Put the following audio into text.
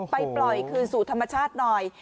ไปปล่อยคืนสู่ธรรมชาติหน่อย